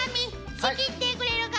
仕切ってくれるか？